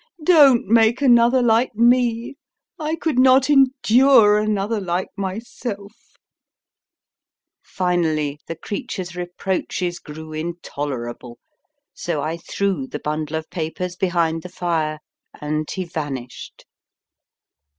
Don t make another like me. I could not endure another like myself Finally, the crea ture s reproaches grew intolerable ; so I threw the bundle of papers behind the fire, and he vanished.